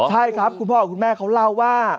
ใช่ครับคุณพ่อกับคุณแม่เขาเล่าว่า